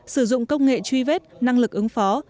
sử dụng công nghệ truy vết năng lực ứng phó